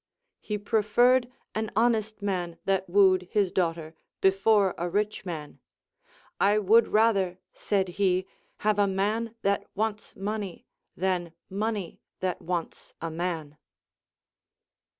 He pre ferred an honest man that wooed his daughter, before a rich man. I would rather, said he, have a man that wants money, than money that wants a man.